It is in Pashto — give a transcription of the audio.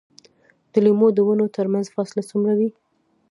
د لیمو د ونو ترمنځ فاصله څومره وي؟